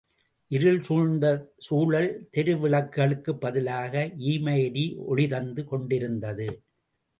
இருள் சூழ்ந்த சூழல் தெரு விளக்குகளுக்குப் பதிலாக ஈம எரி ஒளி தந்து கொண்டிருந்தது.